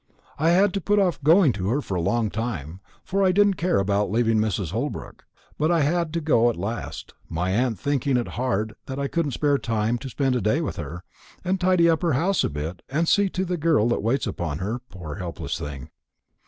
I had put off going to her for a long time, for I didn't care about leaving Mrs. Holbrook; but I had to go at last, my aunt thinking it hard that I couldn't spare time to spend a day with her, and tidy up her house a bit, and see to the girl that waits upon her, poor helpless thing.